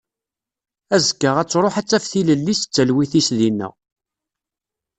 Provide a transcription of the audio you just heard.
Azekka ad truḥ ad taf tilelli-s d talwit-is dinna.